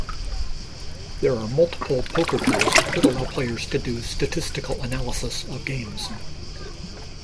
There are multiple poker tools that allow players to do statistical analysis of games.